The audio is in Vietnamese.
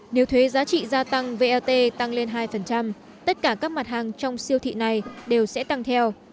nếu thuế giá trị gia tăng vat tăng lên hai tất cả các mặt hàng trong siêu thị này đều sẽ tăng theo